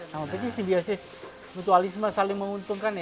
nah mungkin simbiosis mutualisme saling menguntungkan ya pak